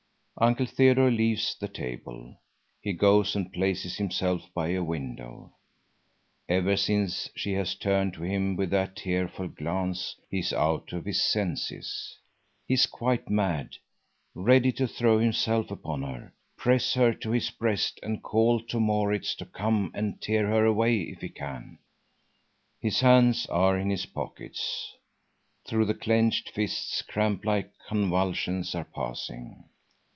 Uncle Theodore leaves the table. He goes and places himself by a window. Ever since she has turned to him with that tearful glance he is out of his senses. He is quite mad, ready to throw himself upon her, press her to his breast and call to Maurits to come and tear her away if he can. His hands are in his pockets. Through the clenched fists cramp like convulsions are passing.